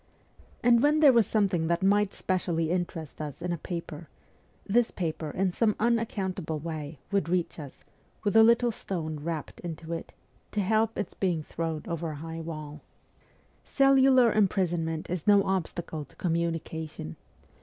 And when there was something that might specially interest us in a paper, this paper, in some unaccountable way, would reach us, with a little stone wrapped into it, to help its being thrown over a high wall. Cellular imprisonment is no obstacle to communi cation.